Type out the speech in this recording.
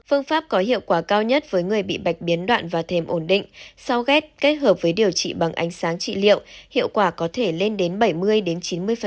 phương pháp có hiệu quả cao nhất với người bị bạch biến đoạn và thêm ổn định sau ghép kết hợp với điều trị bằng ánh sáng trị liệu hiệu quả có thể lên đến bảy mươi đến chín mươi